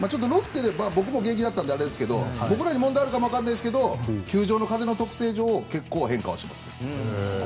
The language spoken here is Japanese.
僕も現役だったのであれですが僕らに問題があるかもわかりませんが球場の風の特性上結構変化します。